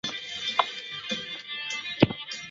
于南斯拉夫王国时期改用王国的国徽。